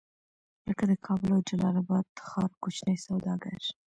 لکه د کابل او جلال اباد ښار کوچني سوداګر.